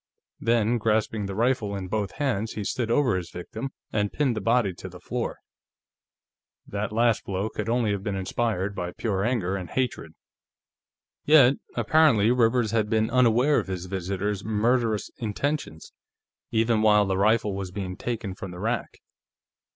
Then, grasping the rifle in both hands, he had stood over his victim and pinned the body to the floor. That last blow could have only been inspired by pure anger and hatred. Yet, apparently, Rivers had been unaware of his visitor's murderous intentions, even while the rifle was being taken from the rack.